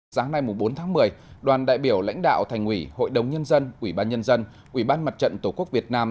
sáng nay bốn tháng một mươi đoàn đại biểu lãnh đạo thành ủy hội đồng nhân dân ủy ban nhân dân ủy ban mặt trận tổ quốc việt nam